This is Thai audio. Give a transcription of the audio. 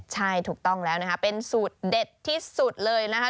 ใช่ถูกต้องแล้วนะคะเป็นสูตรเด็ดที่สุดเลยนะคะ